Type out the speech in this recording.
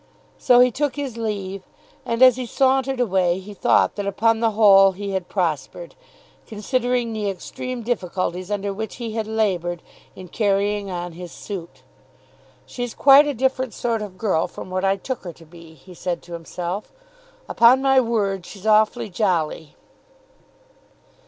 So he took his leave, and as he sauntered away he thought that upon the whole he had prospered, considering the extreme difficulties under which he had laboured in carrying on his suit. "She's quite a different sort of girl from what I took her to be," he said to himself. "Upon my word, she's awfully jolly."